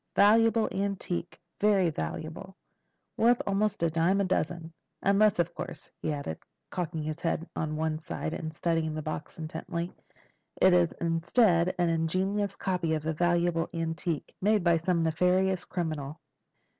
"Valuable antique—very valuable. Worth almost a dime a dozen. Unless, of course," he added, cocking his head on one side and studying the box intently, "it is instead an ingenious copy of a valuable antique, made by some nefarious criminal."